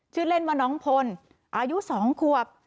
เล่นว่าน้องพลอายุ๒ขวบ